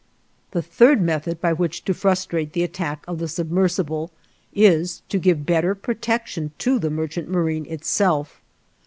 The third method by which to frustrate the attack of the submersible is to give better protection to the merchant marine itself.